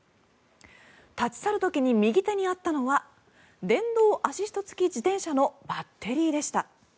立ち去る時に右手にあったのは電動アシスト付き自転車のバッテリーでした。